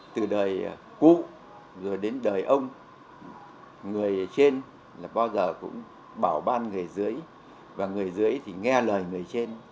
từ đời cụ rồi đến đời ông người trên là bao giờ cũng bảo ban người dưới và người dưới thì nghe lời người trên